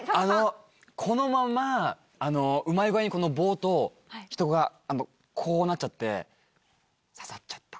このままうまい具合に棒と人がこうなっちゃって刺さっちゃった。